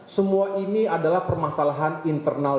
semua ini adalah permasalahan internal